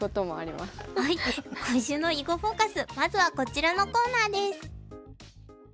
まずはこちらのコーナーです。